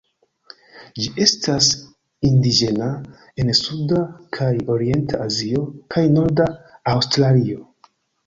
Ĝi estas indiĝena en suda kaj orienta Azio kaj norda Aŭstralio.